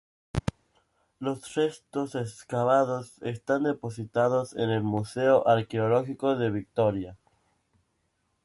Los restos excavados están depositados en el Museo Arqueológico de Vitoria.